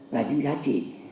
và những giá trị